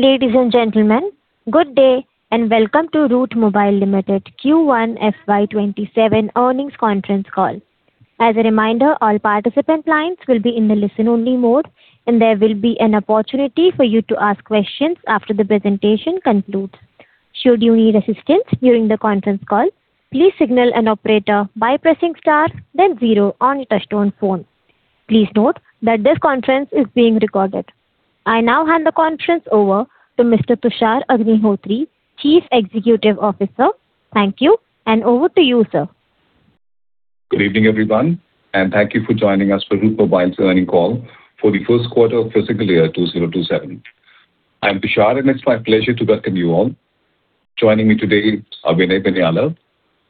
Ladies and gentlemen, good day and welcome to Route Mobile Limited Q1 FY 2027 earnings conference call. As a reminder, all participant lines will be in the listen-only mode and there will be an opportunity for you to ask questions after the presentation concludes. Should you need assistance during the conference call, please signal an operator by pressing star then zero on your touchtone phone. Please note that this conference is being recorded. I now hand the conference over to Mr. Tushar Agnihotri, Chief Executive Officer. Thank you, and over to you, sir. Good evening, everyone. Thank you for joining us for Route Mobile's earnings call for the first quarter of fiscal year 2027. I'm Tushar, and it's my pleasure to welcome you all. Joining me today are Vinay Binyala,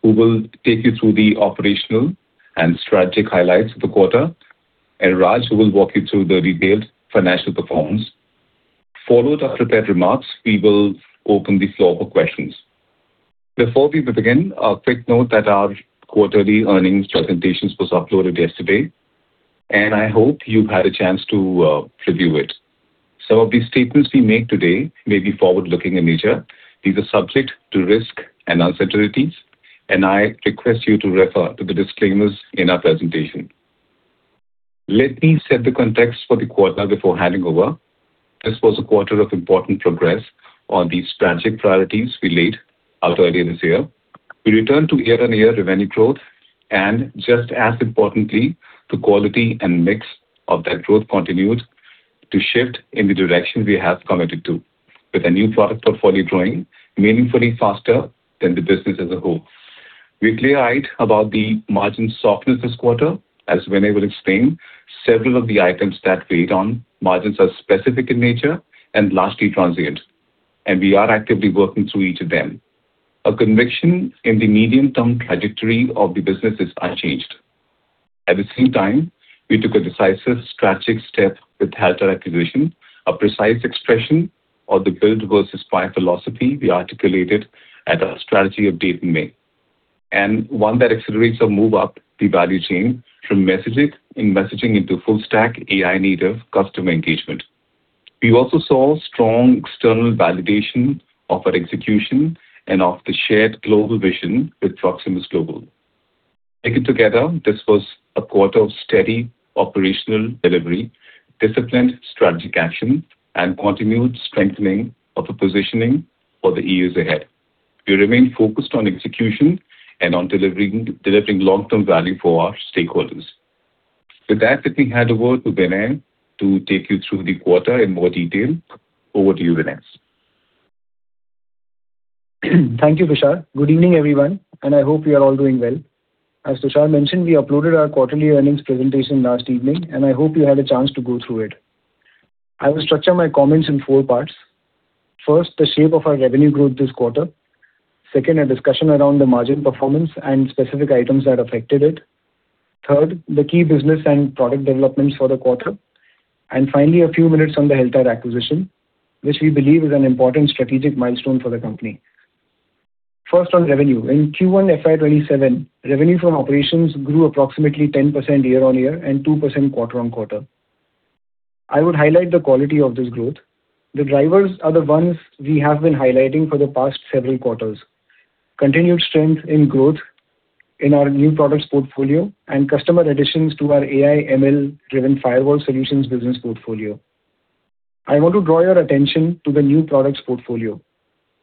who will take you through the operational and strategic highlights of the quarter, and Raj, who will walk you through the detailed financial performance. Followed our prepared remarks, we will open the floor for questions. Before we begin, a quick note that our quarterly earnings presentations was uploaded yesterday, and I hope you've had a chance to review it. Some of the statements we make today may be forward-looking in nature. These are subject to risk and uncertainties, and I request you to refer to the disclaimers in our presentation. Let me set the context for the quarter before handing over. This was a quarter of important progress on the strategic priorities we laid out earlier this year. We returned to year-on-year revenue growth, just as importantly, the quality and mix of that growth continued to shift in the direction we have committed to, with a new product portfolio growing meaningfully faster than the business as a whole. We're clear-eyed about the margin softness this quarter. As Vinay will explain, several of the items that weighed on margins are specific in nature and largely transient, we are actively working through each of them. Our conviction in the medium-term trajectory of the business is unchanged. At the same time, we took a decisive strategic step with Heltar acquisition, a precise expression of the build versus buy philosophy we articulated at our strategy update in May, one that accelerates our move up the value chain from messaging into full-stack AI-native customer engagement. We also saw strong external validation of our execution and of the shared global vision with Proximus Global. Taken together, this was a quarter of steady operational delivery, disciplined strategic action, continued strengthening of the positioning for the years ahead. We remain focused on execution and on delivering long-term value for our stakeholders. With that, let me hand over to Vinay to take you through the quarter in more detail. Over to you, Vinay. Thank you, Tushar. Good evening, everyone. I hope you are all doing well. As Tushar mentioned, we uploaded our quarterly earnings presentation last evening. I hope you had a chance to go through it. I will structure my comments in four parts. First, the shape of our revenue growth this quarter. Second, a discussion around the margin performance and specific items that affected it. Third, the key business and product developments for the quarter. Finally, a few minutes on the Heltar acquisition, which we believe is an important strategic milestone for the company. First on revenue. In Q1 FY 2027, revenue from operations grew approximately 10% year-over-year and 2% quarter-over-quarter. I would highlight the quality of this growth. The drivers are the ones we have been highlighting for the past several quarters. Continued strength in growth in our new products portfolio and customer additions to our AI/ML-driven firewall solutions business portfolio. I want to draw your attention to the new products portfolio,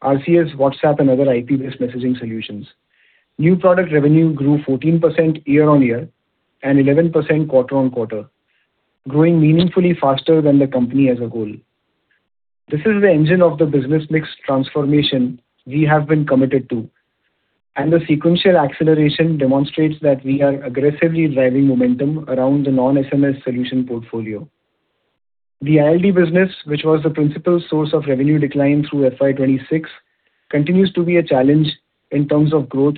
RCS, WhatsApp, and other IP-based messaging solutions. New product revenue grew 14% year-over-year and 11% quarter-over-quarter, growing meaningfully faster than the company as a whole. This is the engine of the business mix transformation we have been committed to. The sequential acceleration demonstrates that we are aggressively driving momentum around the non-SMS solution portfolio. The ILD business, which was the principal source of revenue decline through FY 2026, continues to be a challenge in terms of growth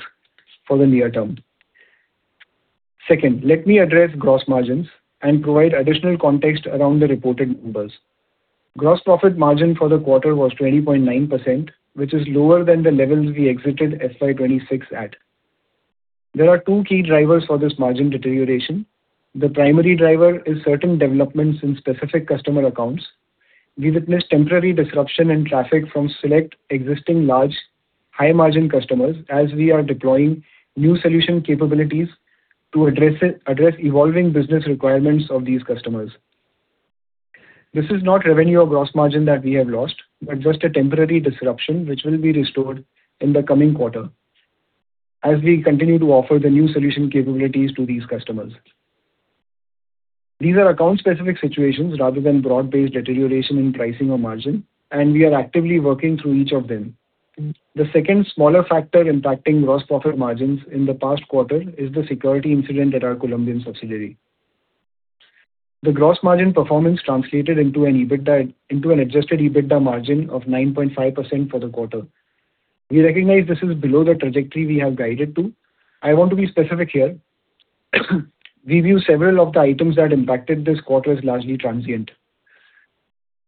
for the near term. Second, let me address gross margins and provide additional context around the reported numbers. Gross profit margin for the quarter was 20.9%, which is lower than the levels we exited FY 2026 at. There are two key drivers for this margin deterioration. The primary driver is certain developments in specific customer accounts. We witnessed temporary disruption in traffic from select existing large, high-margin customers as we are deploying new solution capabilities to address evolving business requirements of these customers. This is not revenue or gross margin that we have lost, but just a temporary disruption, which will be restored in the coming quarter as we continue to offer the new solution capabilities to these customers. These are account-specific situations rather than broad-based deterioration in pricing or margin. We are actively working through each of them. The second smaller factor impacting gross profit margins in the past quarter is the security incident at our Colombian subsidiary. The gross margin performance translated into an adjusted EBITDA margin of 9.5% for the quarter. We recognize this is below the trajectory we have guided to. I want to be specific here. We view several of the items that impacted this quarter as largely transient.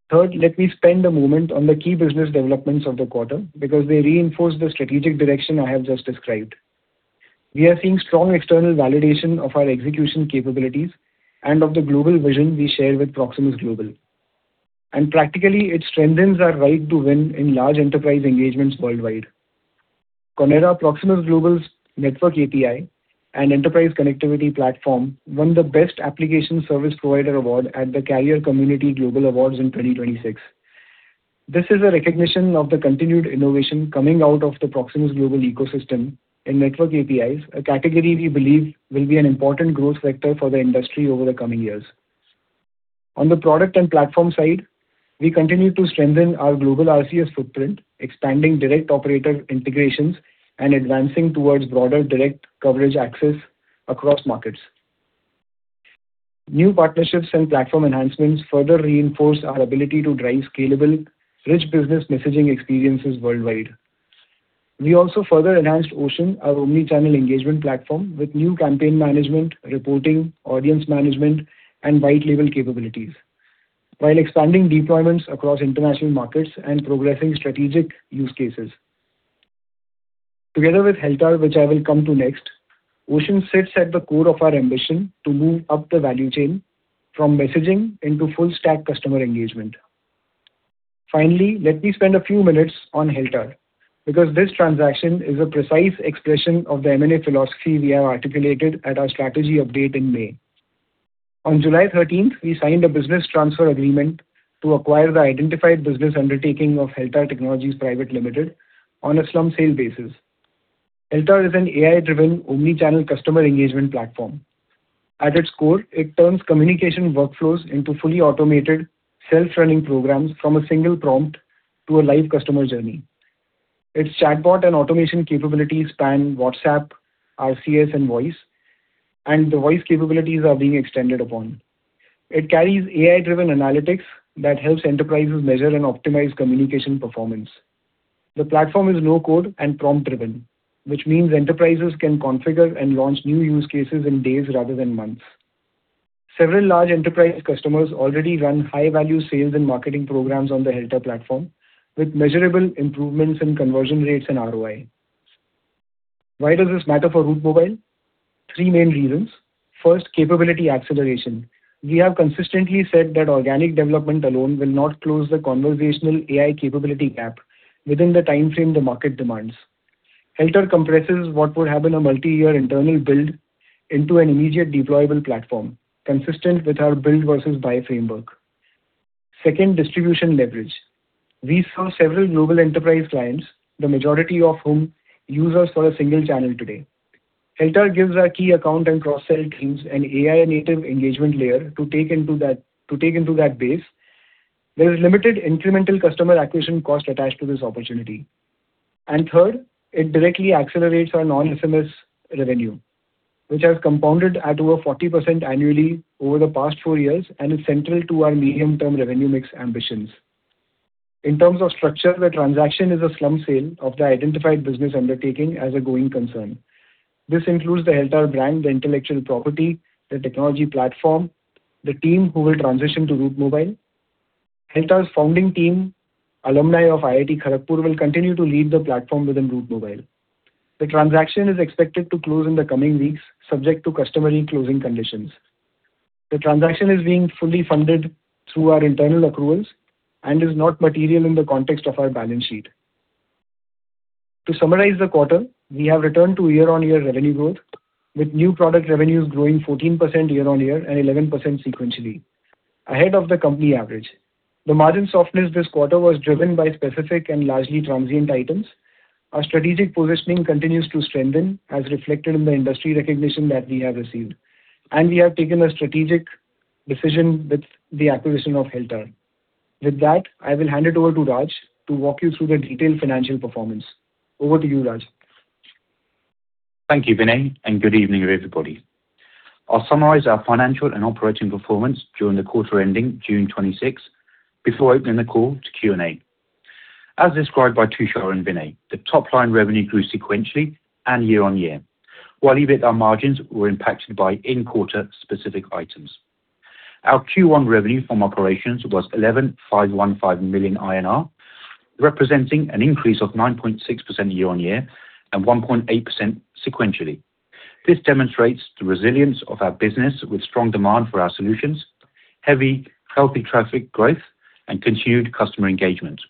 Third, let me spend a moment on the key business developments of the quarter because they reinforce the strategic direction I have just described. We are seeing strong external validation of our execution capabilities and of the global vision we share with Proximus Global. Practically, it strengthens our right to win in large enterprise engagements worldwide. Konera, Proximus Global's network API and enterprise connectivity platform, won the Best Application Service Provider award at the Carrier Community Global Awards in 2026. This is a recognition of the continued innovation coming out of the Proximus Global ecosystem in network APIs, a category we believe will be an important growth vector for the industry over the coming years. On the product and platform side, we continue to strengthen our global RCS footprint, expanding direct operator integrations and advancing towards broader direct coverage access across markets. New partnerships and platform enhancements further reinforce our ability to drive scalable, rich business messaging experiences worldwide. We also further enhanced OCEAN, our omnichannel engagement platform, with new campaign management, reporting, audience management, and white label capabilities while expanding deployments across international markets and progressing strategic use cases. Together with Heltar, which I will come to next, OCEAN sits at the core of our ambition to move up the value chain from messaging into full-stack customer engagement. Finally, let me spend a few minutes on Heltar, because this transaction is a precise expression of the M&A philosophy we have articulated at our strategy update in May. On July 13th, we signed a business transfer agreement to acquire the identified business undertaking of Heltar Technologies Private Limited on a slump sale basis. Heltar is an AI-driven, omnichannel customer engagement platform. At its core, it turns communication workflows into fully automated, self-running programs from a single prompt to a live customer journey. Its chatbot and automation capabilities span WhatsApp, RCS, and voice, and the voice capabilities are being extended upon. It carries AI-driven analytics that helps enterprises measure and optimize communication performance. The platform is no-code and prompt-driven, which means enterprises can configure and launch new use cases in days rather than months. Several large enterprise customers already run high-value sales and marketing programs on the Heltar platform, with measurable improvements in conversion rates and ROI. Why does this matter for Route Mobile? Three main reasons. First, capability acceleration. We have consistently said that organic development alone will not close the conversational AI capability gap within the timeframe the market demands. Heltar compresses what would have been a multi-year internal build into an immediate deployable platform, consistent with our build versus buy framework. Second, distribution leverage. We saw several global enterprise clients, the majority of whom use us for a single channel today. Heltar gives our key account and cross-sell teams an AI-native engagement layer to take into that base. There is limited incremental customer acquisition cost attached to this opportunity. Third, it directly accelerates our non-SMS revenue, which has compounded at over 40% annually over the past four years and is central to our medium-term revenue mix ambitions. In terms of structure, the transaction is a slump sale of the identified business undertaking as a going concern. This includes the Heltar brand, the intellectual property, the technology platform, the team who will transition to Route Mobile. Heltar's founding team, alumni of IIT Kharagpur, will continue to lead the platform within Route Mobile. The transaction is expected to close in the coming weeks, subject to customary closing conditions. The transaction is being fully funded through our internal accruals and is not material in the context of our balance sheet. To summarize the quarter, we have returned to year-on-year revenue growth, with new product revenues growing 14% year-on-year and 11% sequentially, ahead of the company average. The margin softness this quarter was driven by specific and largely transient items. Our strategic positioning continues to strengthen, as reflected in the industry recognition that we have received, and we have taken a strategic decision with the acquisition of Heltar. With that, I will hand it over to Raj to walk you through the detailed financial performance. Over to you, Raj. Thank you, Vinay, and good evening, everybody. I will summarize our financial and operating performance during the quarter ending June 2026, before opening the call to Q&A. As described by Tushar and Vinay, the top-line revenue grew sequentially and year-on-year, while EBITDA margins were impacted by in-quarter specific items. Our Q1 revenue from operations was 1,151.5 million INR, representing an increase of 9.6% year-on-year and 1.8% sequentially. This demonstrates the resilience of our business with strong demand for our solutions, heavy, healthy traffic growth, and continued customer engagement.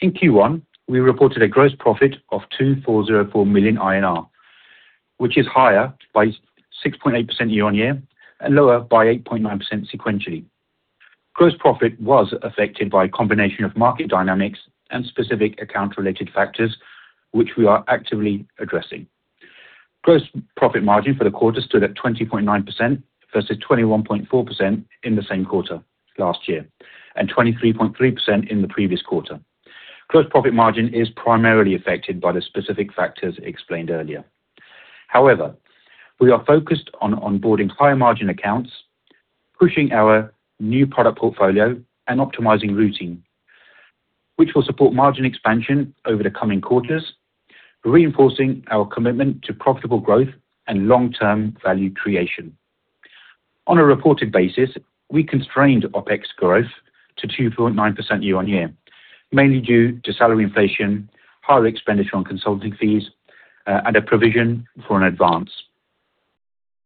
In Q1, we reported a gross profit of 2,404 million INR, which is higher by 6.8% year-on-year and lower by 8.9% sequentially. Gross profit was affected by a combination of market dynamics and specific account-related factors, which we are actively addressing. Gross profit margin for the quarter stood at 20.9% versus 21.4% in the same quarter last year and 23.3% in the previous quarter. Gross profit margin is primarily affected by the specific factors explained earlier. We are focused on onboarding higher margin accounts, pushing our new product portfolio, and optimizing routing, which will support margin expansion over the coming quarters, reinforcing our commitment to profitable growth and long-term value creation. On a reported basis, we constrained OpEx growth to 2.9% year-on-year, mainly due to salary inflation, higher expenditure on consulting fees, and a provision for an advance.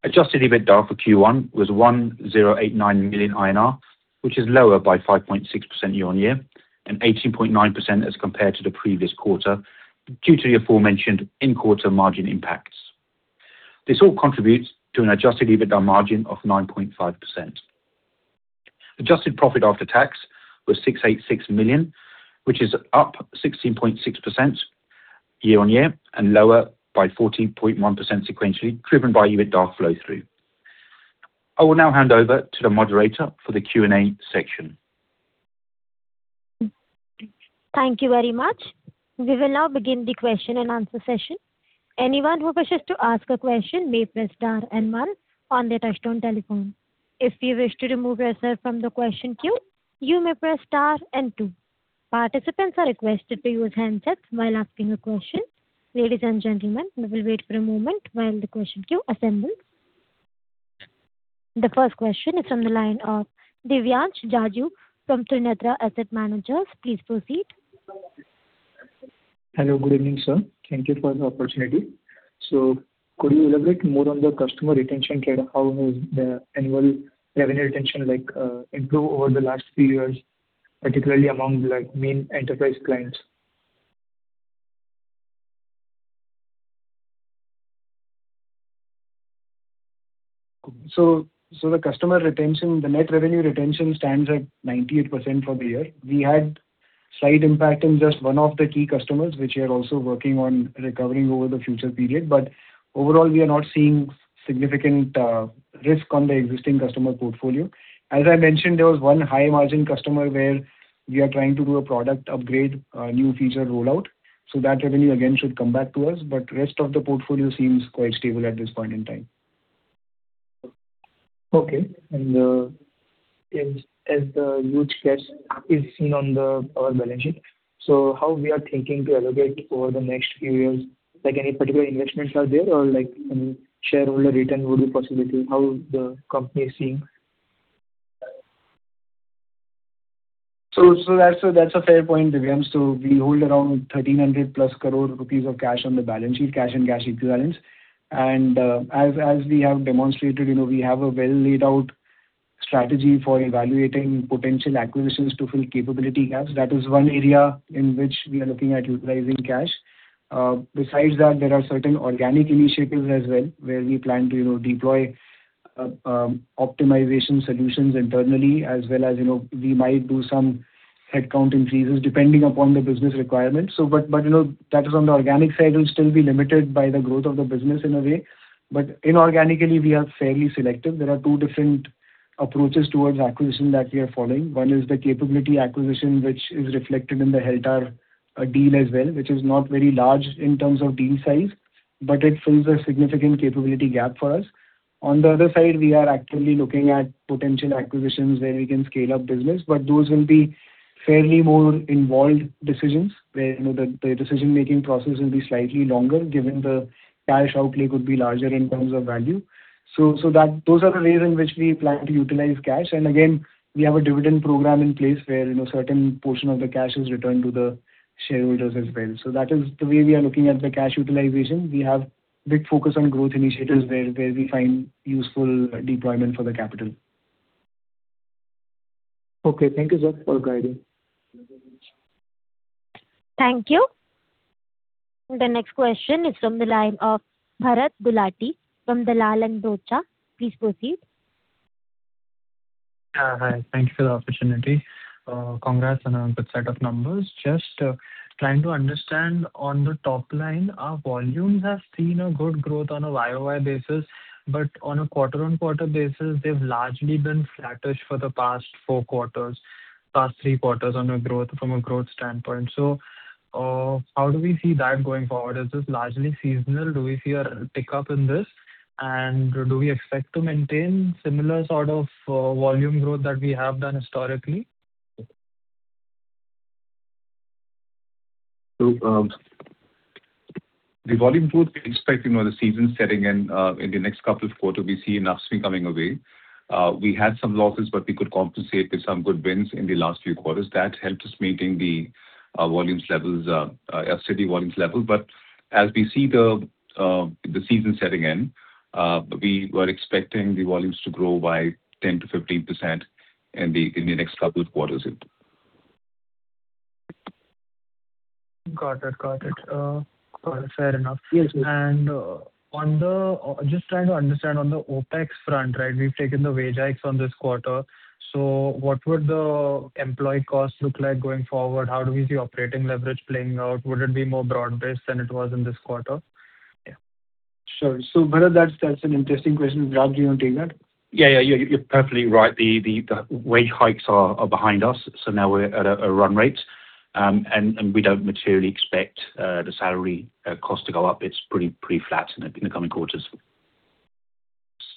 Adjusted EBITDA for Q1 was 1,089 million INR, which is lower by 5.6% year-on-year and 18.9% as compared to the previous quarter, due to the aforementioned in-quarter margin impacts. This all contributes to an adjusted EBITDA margin of 9.5%. Adjusted profit after tax was 686 million, which is up 16.6% year-on-year and lower by 14.1% sequentially, driven by EBITDA flow-through. I will now hand over to the moderator for the Q&A section. Thank you very much. We will now begin the question and answer session. Anyone who wishes to ask a question may press star and one on their touchtone telephone. If you wish to remove yourself from the question queue, you may press star and two. Participants are requested to use handsets while asking a question. Ladies and gentlemen, we will wait for a moment while the question queue assembles. The first question is from the line of Divyansh Jaju from Trinetra Asset Managers. Please proceed. Hello. Good evening, sir. Thank you for the opportunity. Could you elaborate more on the customer retention side? How has the annual revenue retention improved over the last few years, particularly among main enterprise clients? The customer retention, the net revenue retention stands at 98% for the year. We had slight impact in just one of the key customers, which we are also working on recovering over the future period. Overall, we are not seeing significant risk on the existing customer portfolio. As I mentioned, there was one high-margin customer where we are trying to do a product upgrade, a new feature rollout, so that revenue again should come back to us. Rest of the portfolio seems quite stable at this point in time. Okay. As the huge cash is seen on our balance sheet, so how we are thinking to allocate over the next few years, like any particular investments are there or shareholder return would be possibility? How the company is seeing? That's a fair point, Divyansh. We hold around 1,300 plus crore of cash on the balance sheet, cash and cash equivalents. As we have demonstrated, we have a well-laid-out strategy for evaluating potential acquisitions to fill capability gaps. That is one area in which we are looking at utilizing cash. Besides that, there are certain organic initiatives as well, where we plan to deploy optimization solutions internally as well as we might do some headcount increases depending upon the business requirements. That is on the organic side. We'll still be limited by the growth of the business in a way. Inorganically, we are fairly selective. There are two different approaches towards acquisition that we are following. One is the capability acquisition, which is reflected in the Heltar deal as well, which is not very large in terms of team size, but it fills a significant capability gap for us. On the other side, we are actively looking at potential acquisitions where we can scale up business, but those will be fairly more involved decisions where the decision-making process will be slightly longer, given the cash outlay could be larger in terms of value. Those are the ways in which we plan to utilize cash. Again, we have a dividend program in place where certain portion of the cash is returned to the shareholders as well. That is the way we are looking at the cash utilization. We have big focus on growth initiatives where we find useful deployment for the capital. Okay. Thank you, sir, for guiding. Thank you. The next question is from the line of Bharat Gulati from Dalal & Broacha. Please proceed. Hi. Thank you for the opportunity. Congrats on a good set of numbers. Just trying to understand on the top line, our volumes have seen a good growth on a year-over-year basis, but on a quarter-over-quarter basis, they've largely been flattish for the past four quarters, past three quarters from a growth standpoint. How do we see that going forward? Is this largely seasonal? Do we expect to maintain similar sort of volume growth that we have done historically? The volume growth we expect with the season setting in the next couple of quarters, we see Navratri coming away. We had some losses, but we could compensate with some good wins in the last few quarters. That helped us maintain our city volumes level. As we see the season setting in, we were expecting the volumes to grow by 10%-15% in the next couple of quarters. Got it. Fair enough. Yes. Just trying to understand on the OpEx front. We've taken the wage hikes on this quarter, what would the employee costs look like going forward? How do we see operating leverage playing out? Would it be more broad-based than it was in this quarter? Sure. Bharat that's an interesting question. Raj, do you want to take that? Yeah. You're perfectly right. The wage hikes are behind us, so now we're at a run rate. We don't materially expect the salary cost to go up. It's pretty flat in the coming quarters.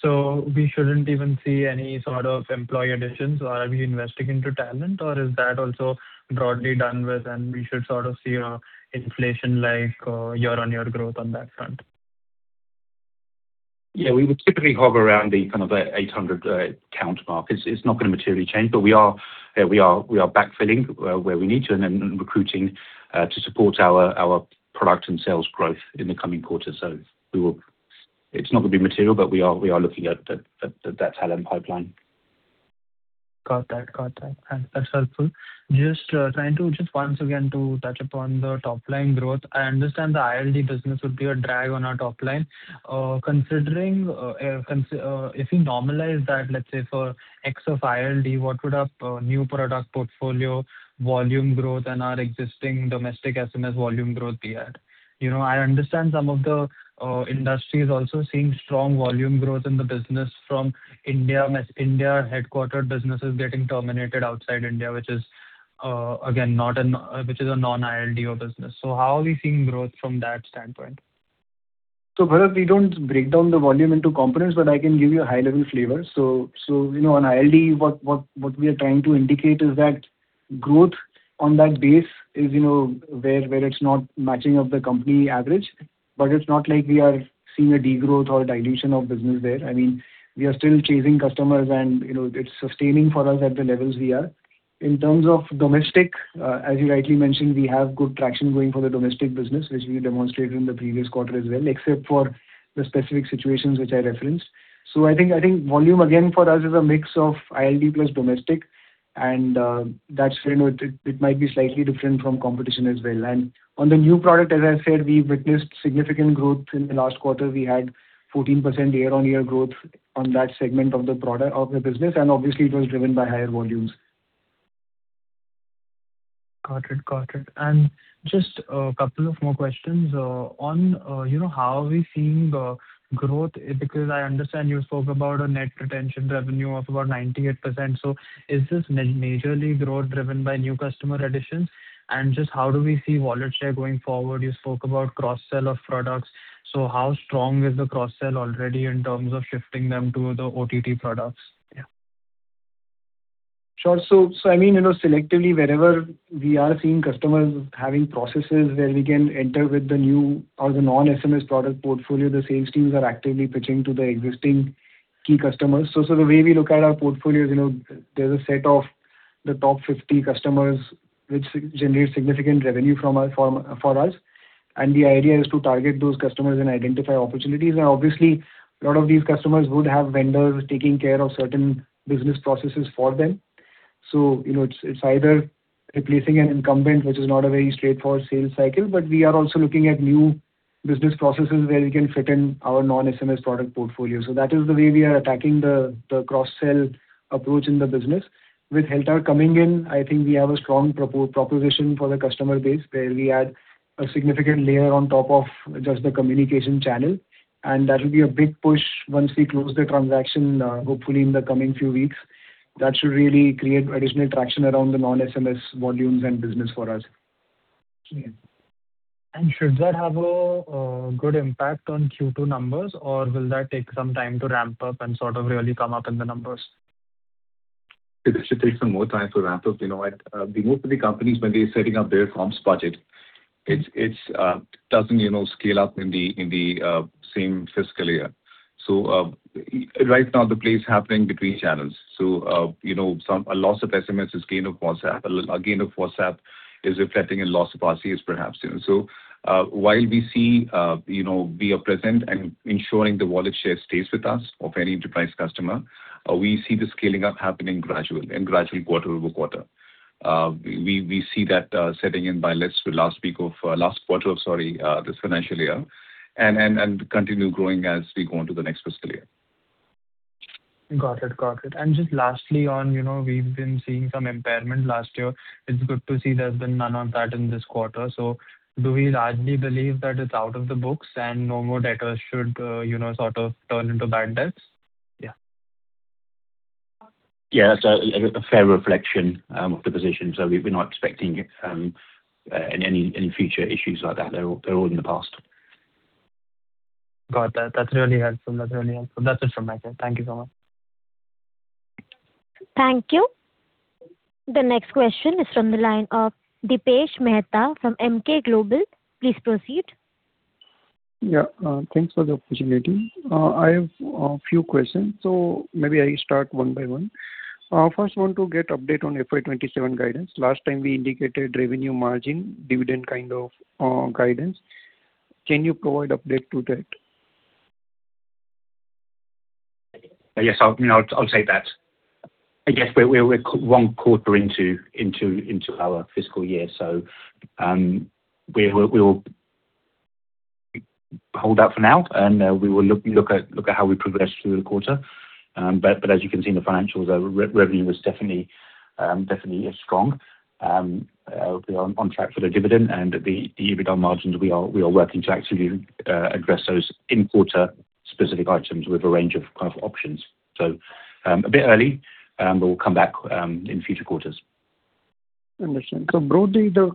We shouldn't even see any sort of employee additions, or are we investing into talent or is that also broadly done with and we should sort of see an inflation like year-on-year growth on that front? Yeah, we would typically hover around the 800 count mark. It's not going to materially change. We are backfilling where we need to and then recruiting to support our product and sales growth in the coming quarters. It's not going to be material, but we are looking at that talent pipeline. Got that. That's helpful. Just trying to once again to touch upon the top-line growth. I understand the ILD business would be a drag on our top line. If you normalize that, let's say for X of ILD, what would a new product portfolio volume growth and our existing domestic SMS volume growth be at? I understand some of the industry is also seeing strong volume growth in the business from India-headquartered businesses getting terminated outside India, which is a non-ILD business. How are we seeing growth from that standpoint? Bharat, we don't break down the volume into components, but I can give you a high-level flavor. On ILD, what we are trying to indicate is that growth on that base is where it's not matching up the company average, but it's not like we are seeing a degrowth or dilution of business there. We are still chasing customers, and it's sustaining for us at the levels we are. In terms of domestic, as you rightly mentioned, we have good traction going for the domestic business, which we demonstrated in the previous quarter as well, except for the specific situations which I referenced. I think volume, again, for us is a mix of ILD plus domestic, and it might be slightly different from competition as well. On the new product, as I said, we've witnessed significant growth. In the last quarter, we had 14% year-on-year growth on that segment of the business. Obviously, it was driven by higher volumes. Got it. Just a couple of more questions. On how are we seeing growth, because I understand you spoke about a net retention revenue of about 98%. Is this majorly growth driven by new customer additions? Just how do we see wallet share going forward? You spoke about cross-sell of products. How strong is the cross-sell already in terms of shifting them to the OTT products? Yeah. Sure. Selectively wherever we are seeing customers having processes where we can enter with the new or the non-SMS product portfolio, the sales teams are actively pitching to the existing key customers. The way we look at our portfolio is, there's a set of the top 50 customers which generate significant revenue for us, the idea is to target those customers and identify opportunities. Obviously, a lot of these customers would have vendors taking care of certain business processes for them. It's either replacing an incumbent, which is not a very straightforward sales cycle, but we are also looking at new business processes where we can fit in our non-SMS product portfolio. That is the way we are attacking the cross-sell approach in the business. With Heltar coming in, I think we have a strong proposition for the customer base, where we add a significant layer on top of just the communication channel. That will be a big push once we close the transaction, hopefully in the coming few weeks. That should really create additional traction around the non-SMS volumes and business for us. Should that have a good impact on Q2 numbers, or will that take some time to ramp up and sort of really come up in the numbers? It should take some more time to ramp up. Most of the companies, when they're setting up their comms budget, it doesn't scale up in the same fiscal year. Right now the play is happening between channels. A loss of SMS is gain of WhatsApp. A gain of WhatsApp is reflecting in loss of RCS perhaps. While we are present and ensuring the wallet share stays with us of any enterprise customer, we see the scaling up happening gradually quarter-over-quarter. We see that setting in by let's say last quarter of this financial year and continue growing as we go into the next fiscal year. Got it. Just lastly on, we've been seeing some impairment last year. It's good to see there's been none of that in this quarter. Do we largely believe that it's out of the books and no more debtors should sort of turn into bad debts? Yeah. Yeah. That's a fair reflection of the position. We're not expecting any future issues like that. They're all in the past. Got that. That's really helpful. That's it from my side. Thank you so much. Thank you. The next question is from the line of Dipesh Mehta from Emkay Global. Please proceed. Yeah. Thanks for the opportunity. I have a few questions. Maybe I start one by one. First, I want to get an update on FY 2027 guidance. Last time we indicated revenue margin, dividend kind of guidance. Can you provide an update to that? Yes. I'll take that. I guess we're one quarter into our fiscal year. We will hold that for now and we will look at how we progress through the quarter. As you can see in the financials, our revenue is definitely strong. We are on track for the dividend and the EBITDA margins. We are working to actively address those in-quarter specific items with a range of options. A bit early, but we'll come back in future quarters. Understand. Broadly, the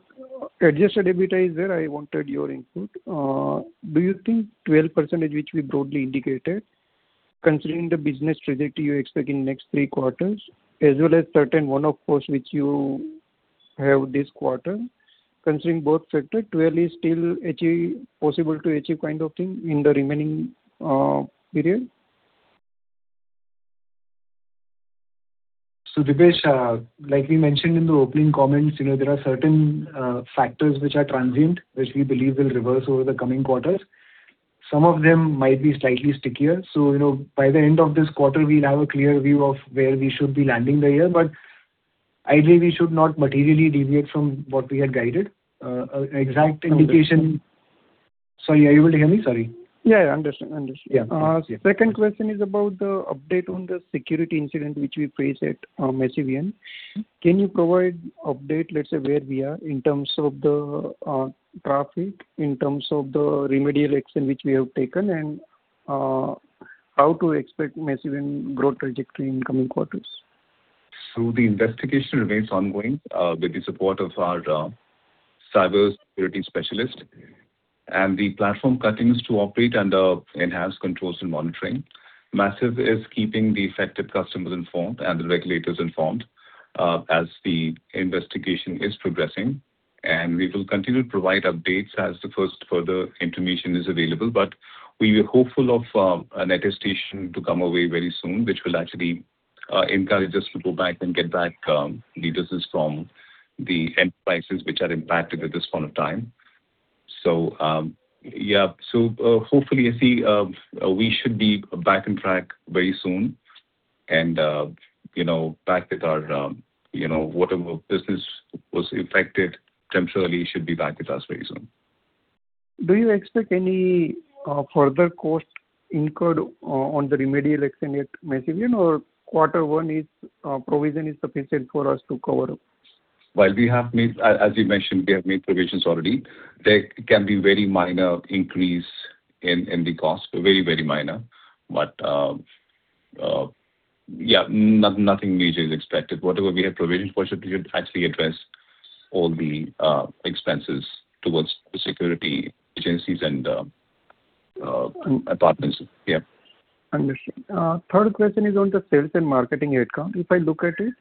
adjusted EBITDA is there. I wanted your input. Do you think 12% is which we broadly indicated considering the business trajectory you expect in next three quarters as well as certain one-off costs which you have this quarter. Considering both factors, 12% is still possible to achieve kind of thing in the remaining period? Dipesh, like we mentioned in the opening comments, there are certain factors which are transient, which we believe will reverse over the coming quarters. Some of them might be slightly stickier. By the end of this quarter, we'll have a clear view of where we should be landing the year. Ideally, we should not materially deviate from what we had guided. Exact indication. Sorry, are you able to hear me? Sorry. Yeah. I understand. Yeah. Second question is about the update on the security incident which we faced at Masivian. Can you provide update, let's say, where we are in terms of the traffic, in terms of the remedial action which we have taken, and how to expect Masivian growth trajectory in coming quarters? The investigation remains ongoing, with the support of our cybersecurity specialist. The platform continues to operate under enhanced controls and monitoring. Masivian is keeping the affected customers informed, and the regulators informed, as the investigation is progressing. We will continue to provide updates as the first further information is available. We are hopeful of an attestation to come our way very soon, which will actually encourage us to go back and get back the business from the enterprises which are impacted at this point of time. Hopefully, we should be back on track very soon and whatever business was affected temporarily should be back with us very soon. Do you expect any further cost incurred on the remedial action at Masivian, or quarter one provision is sufficient for us to cover? As you mentioned, we have made provisions already. There can be very minor increase in the cost. Very minor. Nothing major is expected. Whatever we have provisioned for should actually address all the expenses towards the security agencies and partners. Yeah. Understand. Third question is on the sales and marketing headcount. If I look at it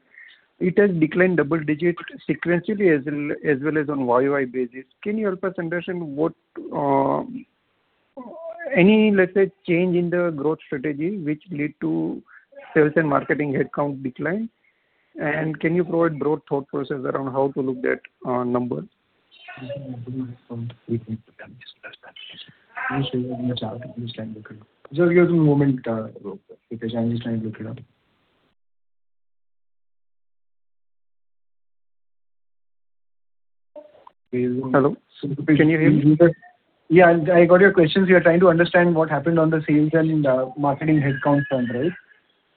has declined double-digit sequentially as well as on YOY basis. Can you help us understand any, let's say, change in the growth strategy which led to sales and marketing headcount decline? Can you provide broad thought process around how to look at number? Just give him a moment. He is trying to look it up. Hello, can you hear me? Yeah, I got your questions. You are trying to understand what happened on the sales and marketing headcount front, right?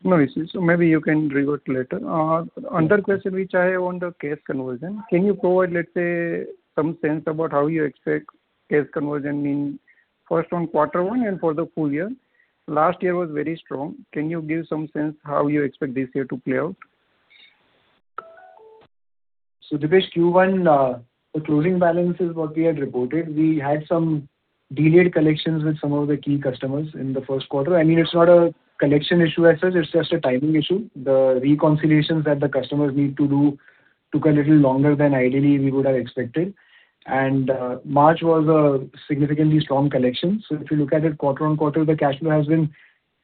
No, maybe you can revert later. Other question which I have on the cash conversion. Can you provide, let's say, some sense about how you expect cash conversion in first on quarter one and for the full year? Last year was very strong. Can you give some sense how you expect this year to play out? Dipesh, Q1, the closing balance is what we had reported. We had some delayed collections with some of the key customers in the first quarter. It's not a collection issue as such, it's just a timing issue. The reconciliations that the customers need to do took a little longer than ideally we would have expected. March was a significantly strong collection. If you look at it quarter-on-quarter, the cash flow has been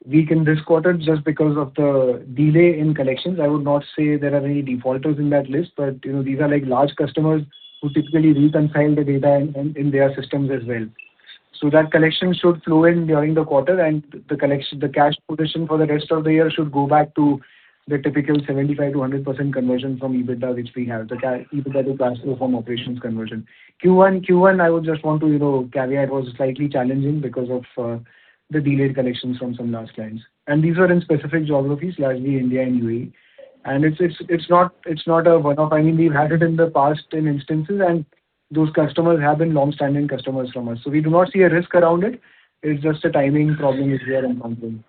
weak in this quarter just because of the delay in collections. I would not say there are any defaulters in that list. These are large customers who typically reconcile the data in their systems as well. That collection should flow in during the quarter, and the cash position for the rest of the year should go back to the typical 75%-100% conversion from EBITDA, which we have. The EBITDA to cash flow from operations conversion. Q1, I would just want to caveat, was slightly challenging because of the delayed collections from some large clients. These are in specific geographies, largely India and UAE. It's not a one-off. We've had it in the past in instances, and those customers have been long-standing customers from us. We do not see a risk around it. It's just a timing problem which we are encountering.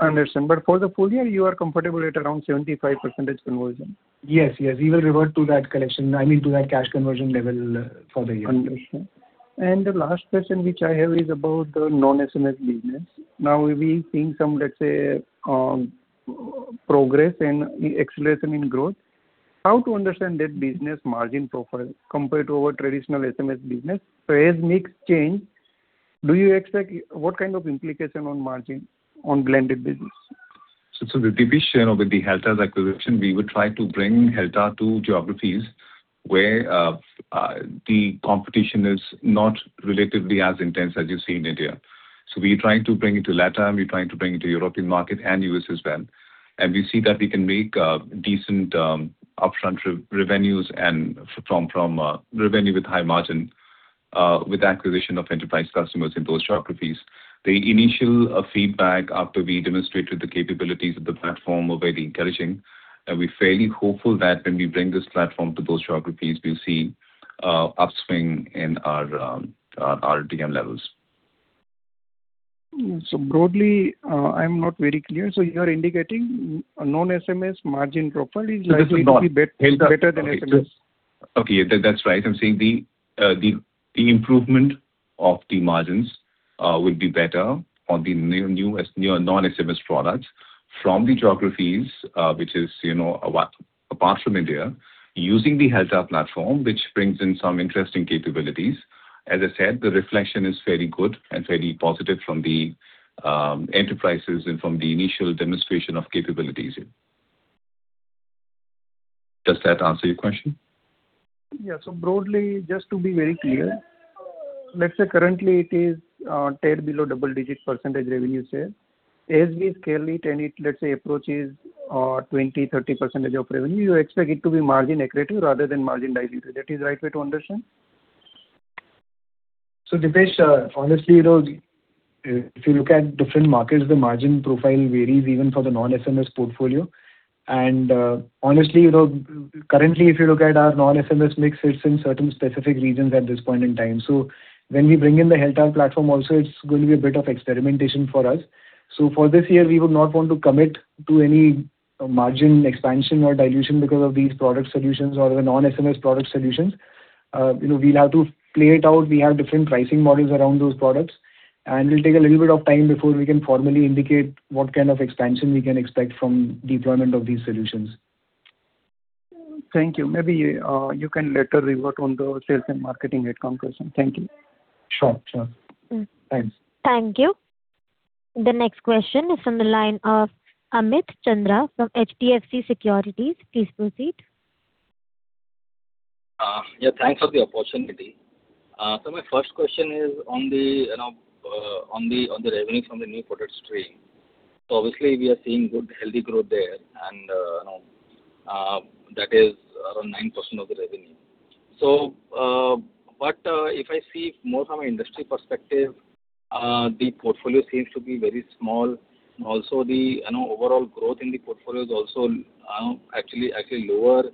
Understand. For the full year, you are comfortable at around 75% conversion? Yes. We will revert to that, I mean, to that cash conversion level for the year. Understand. The last question which I have is about the non-SMS business. We're seeing some, let's say, progress and acceleration in growth. How to understand that business margin profile compared to our traditional SMS business? As mix change, what kind of implication on margin on blended business? Dipesh, with the Heltar's acquisition, we would try to bring Heltar to geographies where the competition is not relatively as intense as you see in India. We're trying to bring it to LATAM, we're trying to bring it to European market, and U.S. as well. We see that we can make decent upfront revenues and from revenue with high margin, with acquisition of enterprise customers in those geographies. The initial feedback after we demonstrated the capabilities of the platform were very encouraging, and we're fairly hopeful that when we bring this platform to those geographies, we'll see upswing in our RTM levels. Broadly, I'm not very clear. You are indicating a non-SMS margin profile is likely? This is not. To be better than SMS. Okay, that's right. I'm saying the improvement of the margins will be better on the new non-SMS products from the geographies, which is apart from India, using the Heltar platform, which brings in some interesting capabilities. As I said, the reflection is very good and very positive from the enterprises and from the initial demonstration of capabilities. Does that answer your question? Yeah. Broadly, just to be very clear, let's say currently it is tier below double-digit % revenue share. As we scale it and it, let's say, approaches 20%, 30% of revenue, you expect it to be margin accretive rather than margin dilutive. That is right way to understand? Dipesh, honestly, if you look at different markets, the margin profile varies even for the non-SMS portfolio. Honestly, currently, if you look at our non-SMS mix, it's in certain specific regions at this point in time. When we bring in the Heltar platform also, it's going to be a bit of experimentation for us. For this year, we would not want to commit to any margin expansion or dilution because of these product solutions or the non-SMS product solutions. We'll have to play it out. We have different pricing models around those products, and we'll take a little bit of time before we can formally indicate what kind of expansion we can expect from deployment of these solutions. Thank you. Maybe you can later revert on the sales and marketing head count question. Thank you. Sure. Thanks. Thank you. The next question is from the line of Amit Chandra from HDFC Securities. Please proceed. Thanks for the opportunity. My first question is on the revenue from the new product stream. Obviously, we are seeing good, healthy growth there, and that is around 9% of the revenue. If I see more from an industry perspective, the portfolio seems to be very small. Also the overall growth in the portfolio is actually lower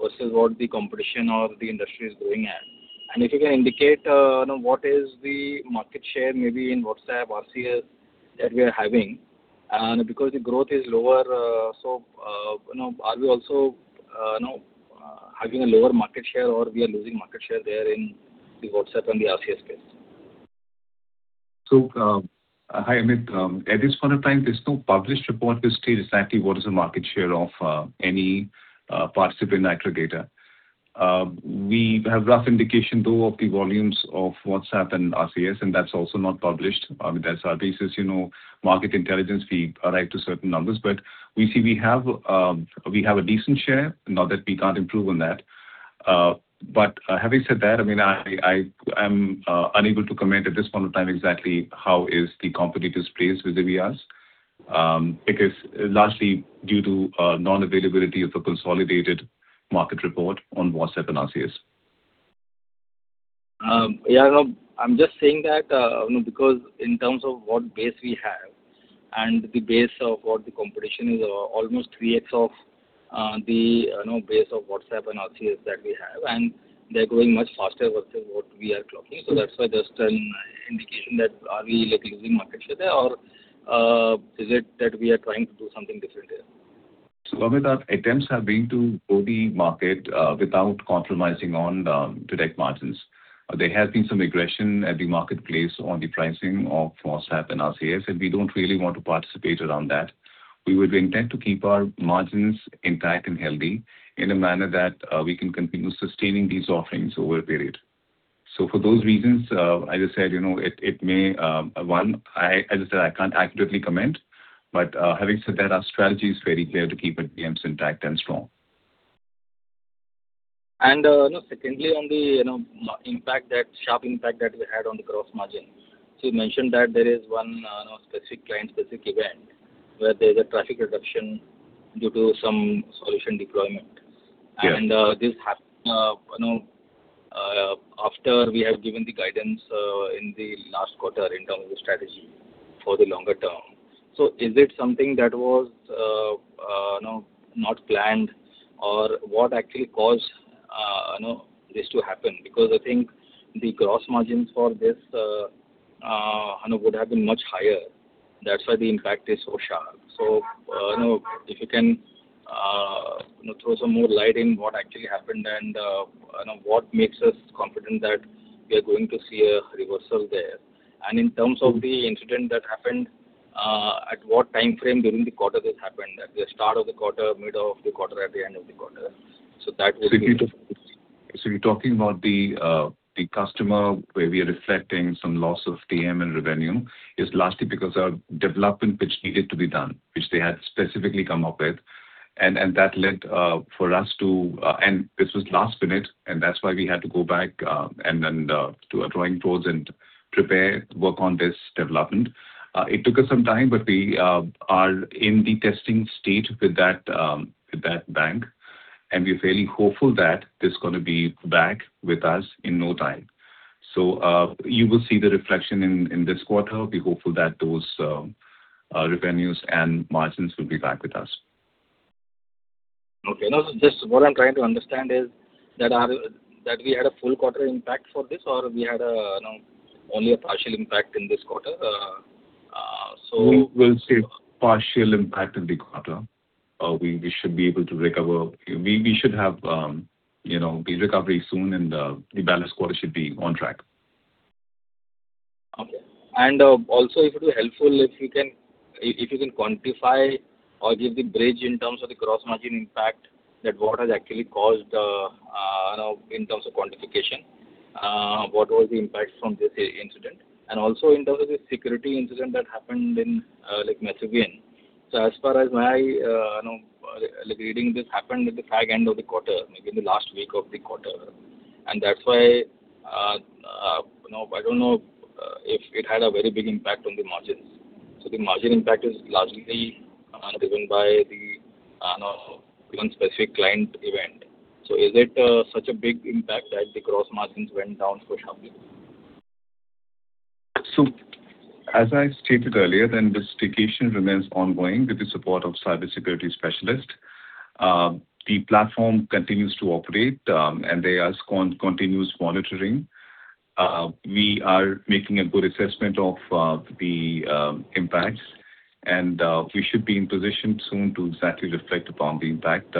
versus what the competition or the industry is growing at. If you can indicate, what is the market share, maybe in WhatsApp, RCS, that we are having. Because the growth is lower, are we also having a lower market share, or we are losing market share there in the WhatsApp and the RCS case? Hi, Amit. At this point of time, there's no published report to state exactly what is the market share of any participant aggregator. We have rough indication, though, of the volumes of WhatsApp and RCS, and that's also not published. That's our thesis, market intelligence, we arrive to certain numbers. We see we have a decent share. Not that we can't improve on that. Having said that, I am unable to comment at this point of time exactly how is the competitors placed vis-à-vis us. Because lastly, due to non-availability of a consolidated market report on WhatsApp and RCS. Yeah. I'm just saying that because in terms of what base we have and the base of what the competition is almost 3x of the base of WhatsApp and RCS that we have, and they're growing much faster versus what we are clocking. That's why just an indication that are we losing market share there, or is it that we are trying to do something different there? Amit, our attempts have been to go the market without compromising on the direct margins. There has been some aggression at the marketplace on the pricing of WhatsApp and RCS, and we don't really want to participate around that. We would intend to keep our margins intact and healthy in a manner that we can continue sustaining these offerings over a period. For those reasons, as I said, one, I can't accurately comment. Having said that, our strategy is very clear to keep our PMs intact and strong. Secondly, on the sharp impact that we had on the gross margin. You mentioned that there is one specific client, specific event, where there's a traffic reduction due to some solution deployment. Yeah. This happened after we had given the guidance in the last quarter in terms of strategy for the longer term. Is it something that was not planned, or what actually caused this to happen? I think the gross margins for this would have been much higher. That's why the impact is so sharp. If you can throw some more light in what actually happened and what makes us confident that we are going to see a reversal there. In terms of the incident that happened, at what time frame during the quarter this happened? At the start of the quarter, middle of the quarter, at the end of the quarter? You're talking about the customer where we are reflecting some loss of PMs and revenue is lastly because our development which needed to be done, which they had specifically come up with. This was last minute, and that's why we had to go back and then to our drawing boards and prepare, work on this development. It took us some time, but we are in the testing stage with that bank, and we are fairly hopeful that this is going to be back with us in no time. You will see the reflection in this quarter. We're hopeful that those revenues and margins will be back with us. Okay. No, just what I'm trying to understand is that we had a full quarter impact for this or we had only a partial impact in this quarter? We will see partial impact in the quarter. We should be able to recover. We should have the recovery soon and the balanced quarter should be on track. Okay. It would be helpful if you can quantify or give the bridge in terms of the gross margin impact that what has actually caused, in terms of quantification, what was the impact from this incident. Also in terms of the security incident that happened in Masivian. As far as my reading, this happened at the fag end of the quarter, maybe in the last week of the quarter. That's why, I don't know if it had a very big impact on the margins. The margin impact is largely driven by the one specific client event. Is it such a big impact that the gross margins went down for company? As I stated earlier, the investigation remains ongoing with the support of cybersecurity specialists. The platform continues to operate, and there are continuous monitoring. We are making a good assessment of the impacts, and we should be in position soon to exactly reflect upon the impact.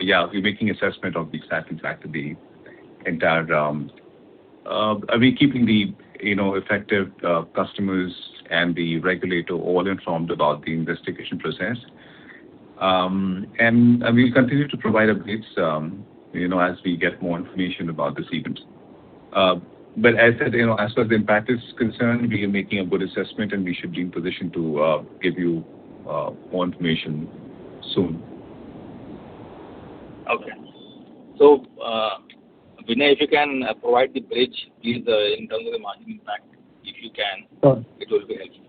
Yeah, we're making assessment of the exact impact. We're keeping the effective customers and the regulator all informed about the investigation process. We'll continue to provide updates as we get more information about this event. As I said, as far as the impact is concerned, we are making a good assessment, and we should be in position to give you more information soon. Okay. Vinay, if you can provide the bridge, please, in terms of the margin impact, if you can Sure. It will be helpful.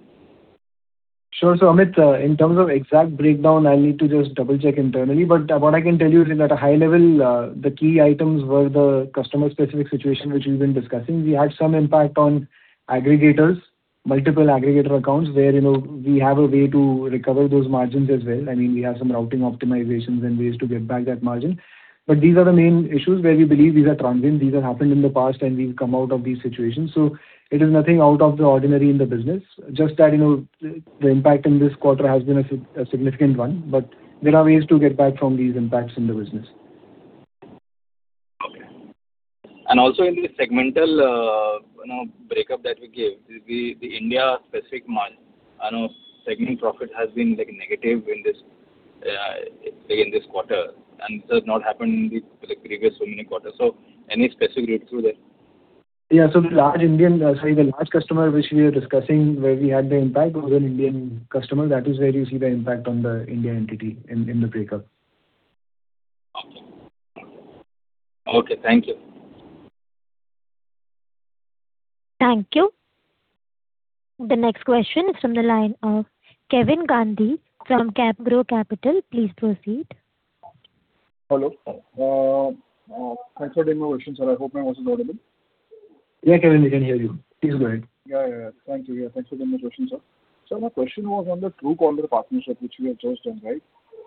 Amit, in terms of exact breakdown, I'll need to just double-check internally. What I can tell you is that at a high level, the key items were the customer-specific situation, which we've been discussing. We had some impact on aggregators, multiple aggregator accounts, where we have a way to recover those margins as well. We have some routing optimizations and ways to get back that margin. These are the main issues where we believe these are transient. These have happened in the past and we've come out of these situations. It is nothing out of the ordinary in the business. Just that, the impact in this quarter has been a significant one, but there are ways to get back from these impacts in the business. Okay. Also in the segmental breakup that we gave, the India-specific margin, segment profit has been negative in this quarter, and this has not happened in the previous so many quarters. Any specific read through there? Yeah. The large customer which we are discussing, where we had the impact, was an Indian customer. That is where you see the impact on the India entity in the breakup. Okay. Okay. Thank you. Thank you. The next question is from the line of Kevin Gandhi from Capgrow Capital. Please proceed. Hello. Thanks for taking my question, sir. I hope my voice is audible. Kevin, we can hear you. Please go ahead. Thank you. Thanks for taking my question, sir. Sir, my question was on the Truecaller partnership, which we have just done, right?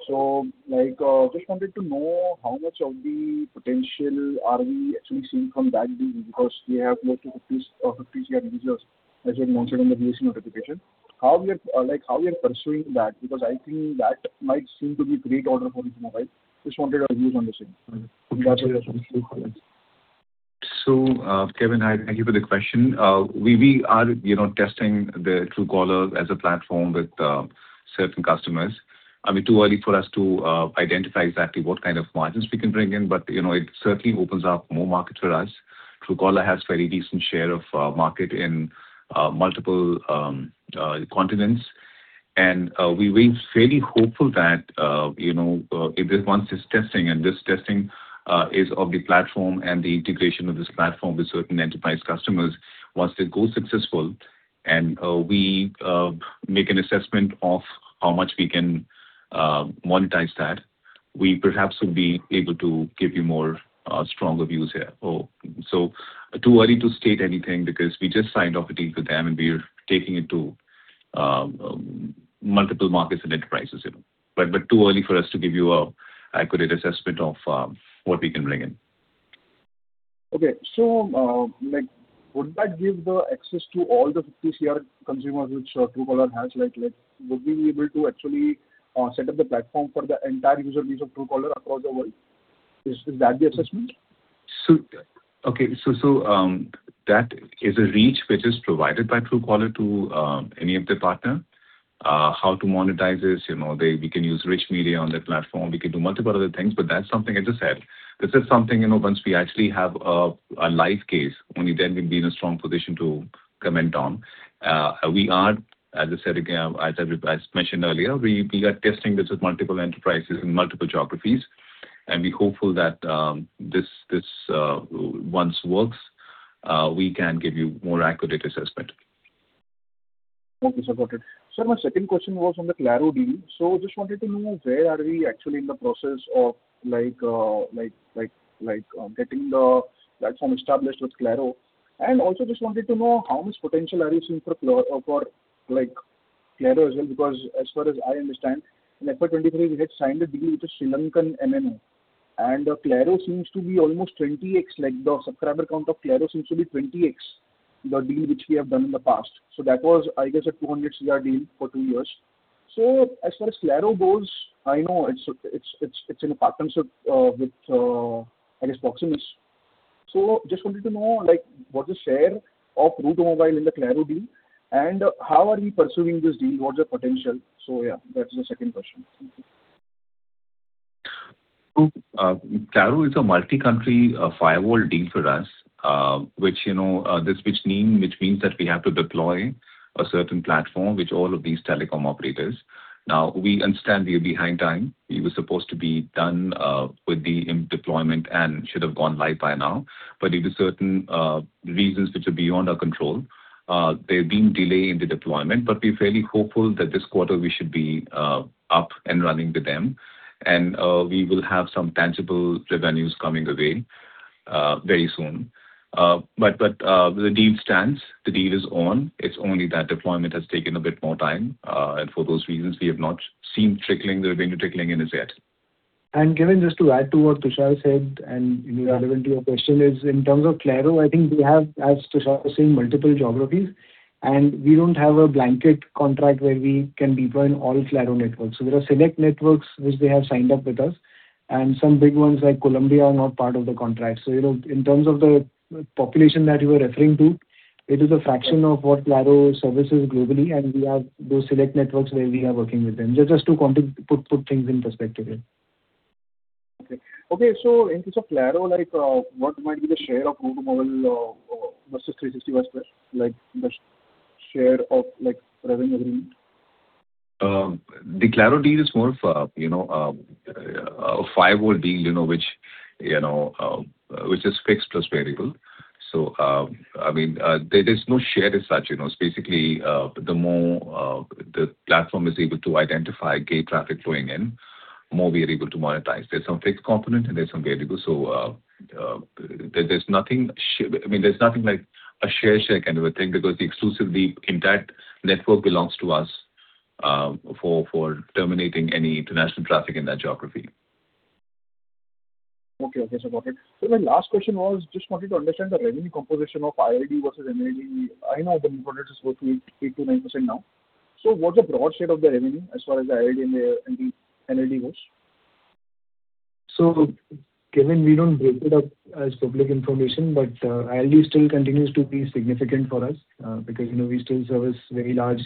Just wanted to know how much of the potential are we actually seeing from that deal, because we have close to 50CR users, as you had mentioned in the BSE notification. How we are pursuing that, because I think that might seem to be great order for Route Mobile. Just wanted your views on the same. Kevin, thank you for the question. We are testing the Truecaller as a platform with certain customers. Too early for us to identify exactly what kind of margins we can bring in, but it certainly opens up more markets for us. Truecaller has very decent share of market in multiple continents. We're very hopeful that, if this one successful testing, and this testing is of the platform and the integration of this platform with certain enterprise customers, once they go successful and we make an assessment of how much we can monetize that, we perhaps would be able to give you more stronger views here. Too early to state anything because we just signed off a deal with them and we are taking it to multiple markets and enterprises. Too early for us to give you an accurate assessment of what we can bring in. Would that give the access to all the 50 crore consumers which Truecaller has? Would we be able to actually set up the platform for the entire user base of Truecaller across the world? Is that the assessment? That is a reach which is provided by Truecaller to any of their partner. How to monetize this, we can use rich media on their platform. We can do multiple other things, but that's something, as I said, this is something once we actually have a live case, only then we'll be in a strong position to comment on. We are, as I said, again, as mentioned earlier, we are testing this with multiple enterprises in multiple geographies, we're hopeful that this once works, we can give you more accurate assessment. Thank you, sir. Got it. Sir, my second question was on the Claro deal. Just wanted to know where are we actually in the process of getting the platform established with Claro? Also just wanted to know how much potential are you seeing for Claro as well, because as far as I understand, in FY 2023 we had signed a deal with a Sri Lankan MNO, and Claro seems to be almost 20x, like the subscriber count of Claro seems to be 20x the deal which we have done in the past. That was, I guess, an 200 crore deal for two years. As far as Claro goes, I know it's in a partnership with, I guess, Proximus. Just wanted to know what the share of Route Mobile in the Claro deal and how are we pursuing this deal, what's the potential? Yeah, that's the second question. Thank you. Claro is a multi-country firewall deal for us, which means that we have to deploy a certain platform with all of these telecom operators. We understand we are behind time. We were supposed to be done with the deployment and should have gone live by now. Due to certain reasons which are beyond our control, there's been delay in the deployment. We're fairly hopeful that this quarter we should be up and running with them, and we will have some tangible revenues coming away very soon. The deal stands. The deal is on. It's only that deployment has taken a bit more time, and for those reasons, we have not seen the revenue trickling in as yet. Kevin, just to add to what Tushar said, and relevant to your question is, in terms of Claro, I think we have, as Tushar was saying, multiple geographies. We don't have a blanket contract where we can deploy in all Claro networks. There are select networks which they have signed up with us, and some big ones like Colombia are not part of the contract. In terms of the population that you are referring to, it is a fraction of what Claro services globally, and we have those select networks where we are working with them. Just to put things in perspective here. Okay. In case of Claro, what might be the share of Route Mobile versus 360West, like the share of revenue earned? The Claro deal is more of a firewall deal which is fixed plus variable. There's no share as such. The more the platform is able to identify gate traffic flowing in, more we are able to monetize. There's some fixed component and there's some variable. There's nothing like a share kind of a thing because exclusively the entire network belongs to us for terminating any international traffic in that geography. Okay. Got it. My last question was, just wanted to understand the revenue composition of ILD versus NLD. I know the NLD is worth 8%-9% now. What's the broad state of the revenue as far as the ILD and the NLD goes? Kevin, we don't break it up as public information, but ILD still continues to be significant for us because we still service very large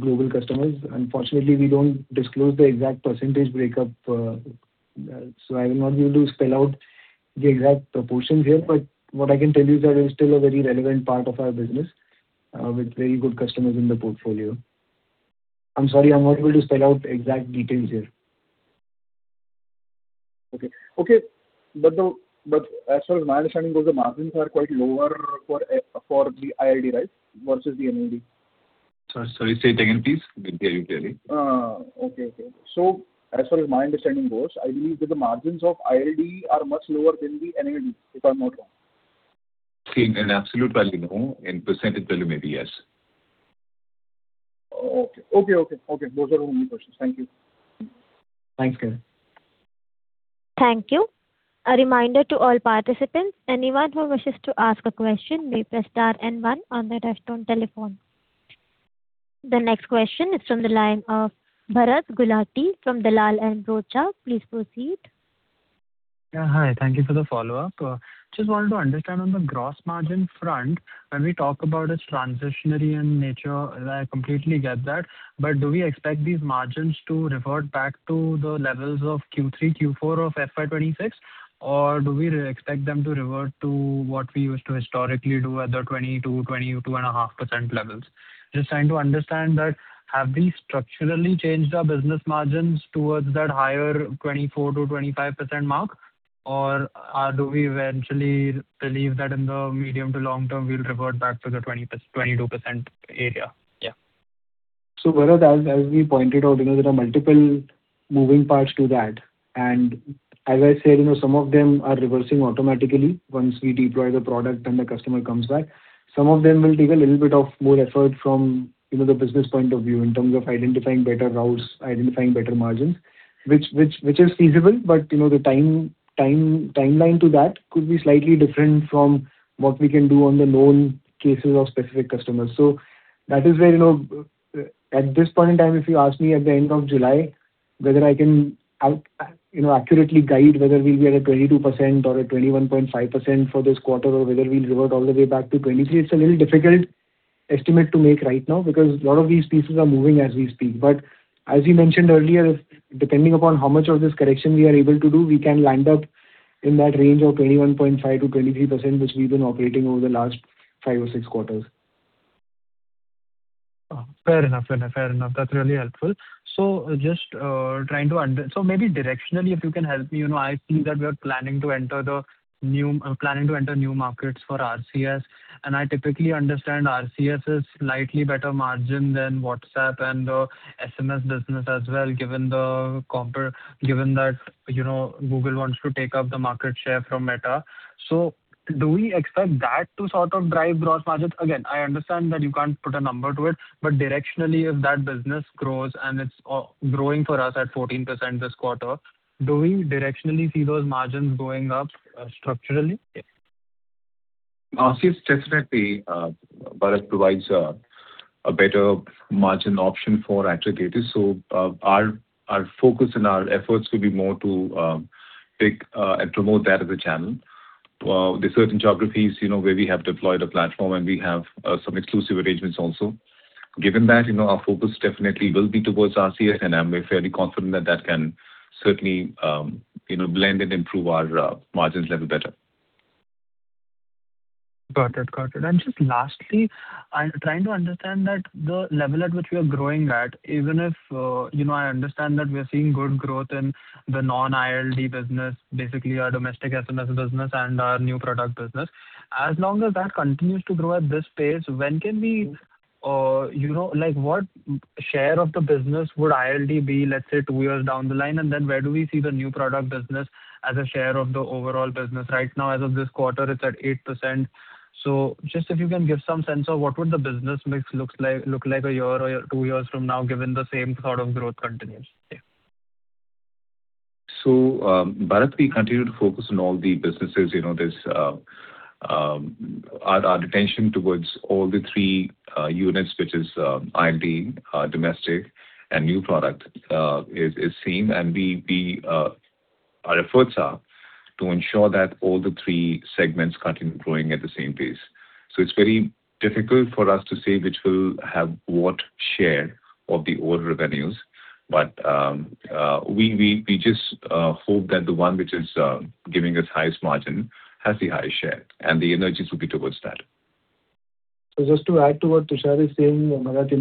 global customers. Unfortunately, we don't disclose the exact percentage breakup. I will not be able to spell out the exact proportions here, but what I can tell you is that it's still a very relevant part of our business with very good customers in the portfolio. I'm sorry, I'm not able to spell out exact details here. Okay. As far as my understanding goes, the margins are quite lower for the ILD, right, versus the NLD. Sorry. Say it again, please. The ILD. Okay. As far as my understanding goes, I believe that the margins of ILD are much lower than the NLD, if I'm not wrong. In absolute value, no. In percentage value, maybe yes. Okay. Those are all my questions. Thank you. Thanks, Kevin. Thank you. A reminder to all participants, anyone who wishes to ask a question may press star and one on their telephone. The next question is from the line of Bharat Gulati from Dalal & Broacha. Please proceed. Hi. Thank you for the follow-up. Just wanted to understand on the gross margin front, when we talk about it's transitionary in nature, I completely get that, but do we expect these margins to revert back to the levels of Q3, Q4 of FY 2026? Or do we expect them to revert to what we used to historically do at the 20% to 22.5% levels? Just trying to understand that, have we structurally changed our business margins towards that higher 24% to 25% mark? Or do we eventually believe that in the medium to long term, we'll revert back to the 22% area? Bharat, as we pointed out, there are multiple moving parts to that. As I said, some of them are reversing automatically once we deploy the product and the customer comes back. Some of them will take a little bit of more effort from the business point of view in terms of identifying better routes, identifying better margins, which is feasible, but the timeline to that could be slightly different from what we can do on the known cases of specific customers. That is where, at this point in time, if you ask me at the end of July whether I can accurately guide whether we'll be at a 22% or a 21.5% for this quarter, or whether we'll revert all the way back to 23%. It's a little difficult estimate to make right now because a lot of these pieces are moving as we speak. As we mentioned earlier, depending upon how much of this correction we are able to do, we can land up in that range of 21.5%-23%, which we've been operating over the last five or six quarters. Fair enough. That's really helpful. Maybe directionally, if you can help me. I see that we are planning to enter new markets for RCS, and I typically understand RCS is slightly better margin than WhatsApp and the SMS business as well, given that Google wants to take up the market share from Meta. Do we expect that to sort of drive gross margins? Again, I understand that you can't put a number to it, but directionally, if that business grows and it's growing for us at 14% this quarter, do we directionally see those margins going up structurally? RCS definitely, Bharat, provides a better margin option for aggregators. Our focus and our efforts will be more to pick and promote that as a channel. There are certain geographies where we have deployed a platform, and we have some exclusive arrangements also. Given that, our focus definitely will be towards RCS, and I'm fairly confident that that can certainly blend and improve our margins little better. Got it. Got it. Just lastly, I'm trying to understand that the level at which we are growing at, I understand that we are seeing good growth in the non-ILD business, basically our domestic SMS business and our new product business. As long as that continues to grow at this pace, what share of the business would ILD be, let's say, two years down the line? And then where do we see the new product business as a share of the overall business? Right now, as of this quarter, it's at 8%. Just if you can give some sense of what would the business mix look like a year or two years from now, given the same sort of growth continues. Bharat, we continue to focus on all the businesses. Our attention towards all the three units, which is ILD, domestic, and new product, is same. Our efforts are to ensure that all the three segments continue growing at the same pace. It is very difficult for us to say which will have what share of the whole revenues. We just hope that the one which is giving us highest margin has the highest share, and the energies will be towards that. Just to add to what Tushar is saying, Bharat,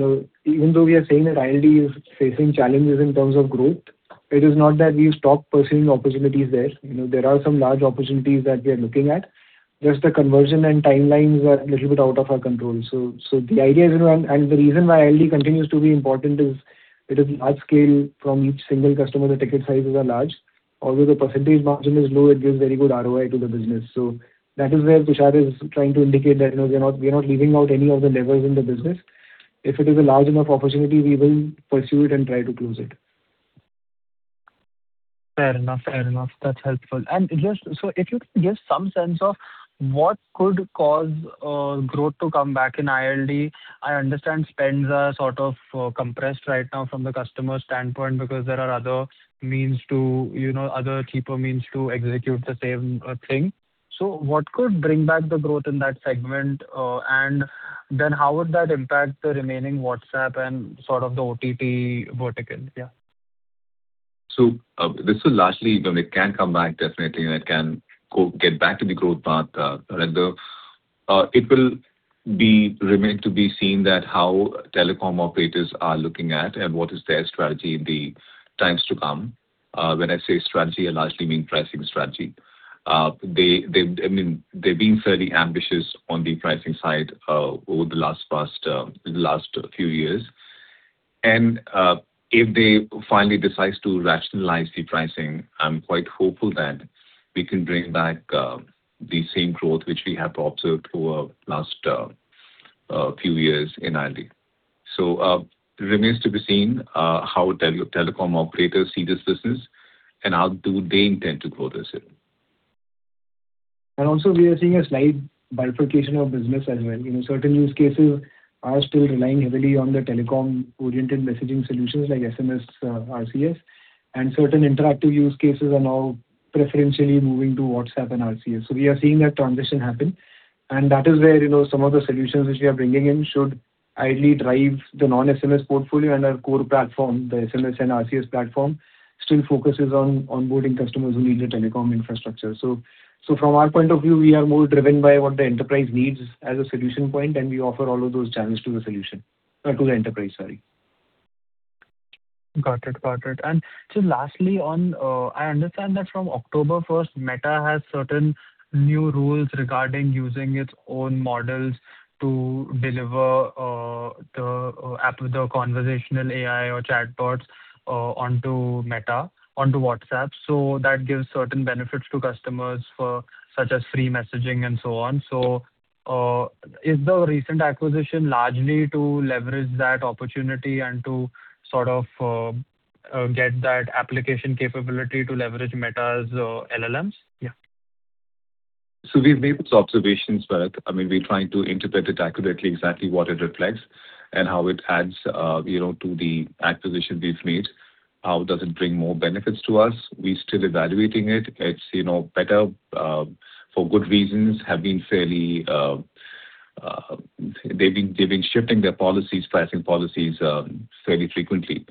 even though we are saying that ILD is facing challenges in terms of growth, it is not that we've stopped pursuing opportunities there. There are some large opportunities that we are looking at. Just the conversion and timelines are a little bit out of our control. The reason why ILD continues to be important is it is large scale. From each single customer, the ticket sizes are large. Although the percentage margin is low, it gives very good ROI to the business. That is where Tushar is trying to indicate that we are not leaving out any of the levers in the business. If it is a large enough opportunity, we will pursue it and try to close it. Fair enough. That's helpful. If you can give some sense of what could cause growth to come back in ILD. I understand spends are sort of compressed right now from the customer standpoint because there are other cheaper means to execute the same thing. What could bring back the growth in that segment? How would that impact the remaining WhatsApp and sort of the OTT verticals? Yeah. It can come back definitely, and it can get back to the growth path, Bharat. It will remain to be seen that how telecom operators are looking at, and what is their strategy in the times to come. When I say strategy, I largely mean pricing strategy. They've been fairly ambitious on the pricing side over the last few years. If they finally decide to rationalize the pricing, I'm quite hopeful that we can bring back the same growth which we have observed for last few years in ILD. It remains to be seen how telecom operators see this business and how do they intend to grow this. Also we are seeing a slight bifurcation of business as well. Certain use cases are still relying heavily on the telecom-oriented messaging solutions like SMS, RCS, and certain interactive use cases are now preferentially moving to WhatsApp and RCS. We are seeing that transition happen, and that is where some of the solutions which we are bringing in should ideally drive the non-SMS portfolio and our core platform. The SMS and RCS platform still focuses on onboarding customers who need the telecom infrastructure. From our point of view, we are more driven by what the enterprise needs as a solution point, and we offer all of those channels to the solution. To the enterprise, sorry. Got it. Lastly on, I understand that from October first, Meta has certain new rules regarding using its own models to deliver the conversational AI or chatbots onto WhatsApp. That gives certain benefits to customers such as free messaging and so on. Is the recent acquisition largely to leverage that opportunity and to sort of get that application capability to leverage Meta's LLMs? Yeah. We've made those observations, Bharat. We're trying to interpret it accurately, exactly what it reflects and how it adds to the acquisition we've made. How does it bring more benefits to us? We're still evaluating it. It's better. For good reasons, they've been shifting their policies, pricing policies fairly frequently.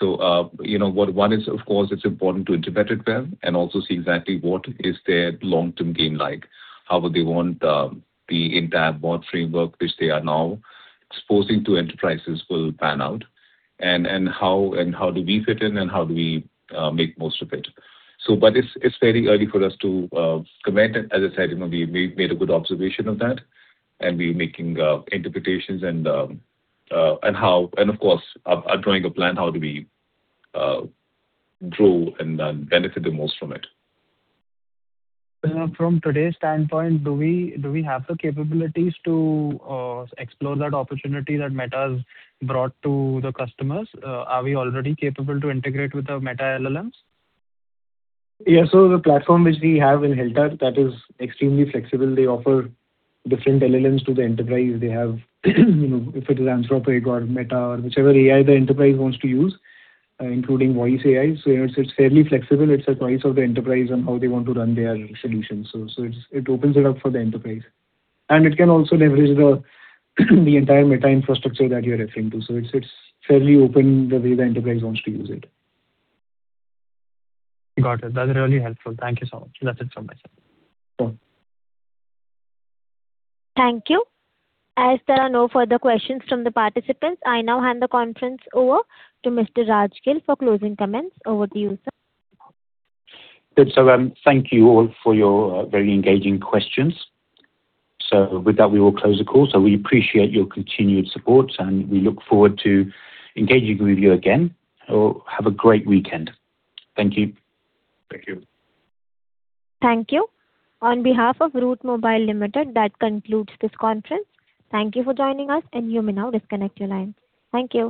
One is, of course, it's important to interpret it well and also see exactly what is their long-term game like. How would they want the entire bot framework which they are now exposing to enterprises will pan out, and how do we fit in, and how do we make most of it. It's very early for us to comment. As I said, we made a good observation of that, and we're making interpretations and, of course, are drawing a plan how do we grow and then benefit the most from it. From today's standpoint, do we have the capabilities to explore that opportunity that Meta has brought to the customers? Are we already capable to integrate with the Meta LLMs? The platform which we have in Heltar, that is extremely flexible. They offer different LLMs to the enterprise. They have if it is Anthropic or Meta or whichever AI the enterprise wants to use, including voice AI. It's fairly flexible. It's a choice of the enterprise on how they want to run their solutions. It opens it up for the enterprise. It can also leverage the entire Meta infrastructure that you are referring to. It's fairly open the way the enterprise wants to use it. Got it. That's really helpful. Thank you so much. That's it from my side. Sure. Thank you. As there are no further questions from the participants, I now hand the conference over to Mr. Raj Gill for closing comments. Over to you, sir. Good. Thank you all for your very engaging questions. With that, we will close the call. We appreciate your continued support, and we look forward to engaging with you again. Have a great weekend. Thank you. Thank you. Thank you. On behalf of Route Mobile Limited, that concludes this conference. Thank you for joining us, and you may now disconnect your line. Thank you.